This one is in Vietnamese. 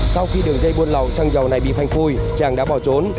sau khi đường dây buôn lậu xăng dầu này bị phanh phui tràng đã bỏ trốn